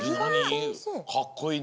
かっこいいね。